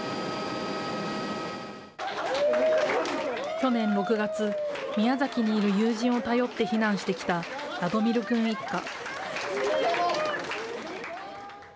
去年６月、宮崎にいる友人を頼って避難してきたラドミル君一家。